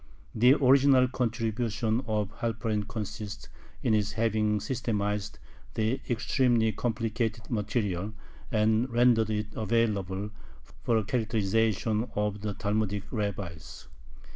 The original contribution of Halperin consists in his having systematized the extremely complicated material, and rendered it available for a characterization of the Talmudic rabbis.